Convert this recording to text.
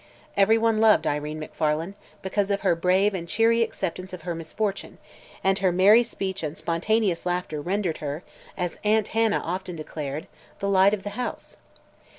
Everyone loved Irene Macfarlane because of her brave and cheery acceptance of her misfortune, and her merry speech and spontaneous laughter rendered her, as "Aunt Hannah" often declared, "the light of the house."